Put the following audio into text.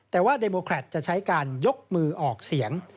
แต่ว่าเดโมแครตจะใช้การยกมือออกเสียง